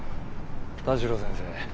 田代先生